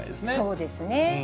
そうですね。